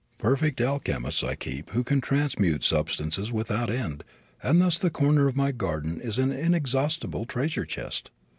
Perfect alchemists I keep who can transmute substances without end, and thus the corner of my garden is an inexhaustible treasure chest.